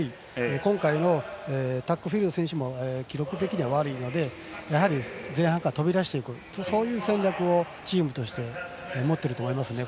今回もタックフィールド選手も記録的には悪いのでやはり前半から飛び出していくそういう戦略をチームとして持っていると思います。